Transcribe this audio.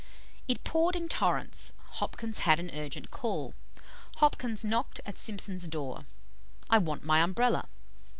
"It poured in torrents, Hopkins had an urgent call. Hopkins knocked at Simpson's door. 'I want my Umbrella.'